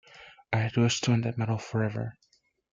I had wished to win that medal forever.